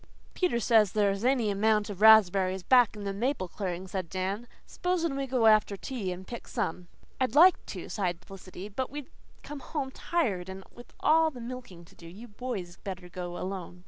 "Peter says there's any amount of raspberries back in the maple clearing," said Dan. "S'posen we all go after tea and pick some?" "I'd like to," sighed Felicity, "but we'd come home tired and with all the milking to do. You boys better go alone."